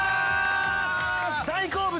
大好物！